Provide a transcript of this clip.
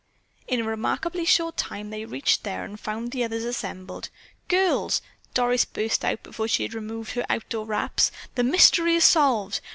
In a remarkably short time they reached there and found the others assembled. "Girls," Doris burst out before she had removed her outdoor wraps. "The mystery is solved!